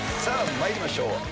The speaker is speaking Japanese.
さあ参りましょう。